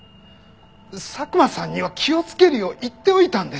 佐久間さんには気をつけるよう言っておいたんです！